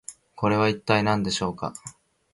これは一体何でしょうか？